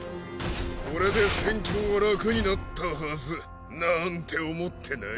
これで戦況は楽になったはずなんて思ってない？